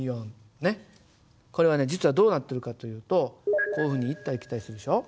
これはね実はどうなってるかというとこういうふうに行ったり来たりするでしょ？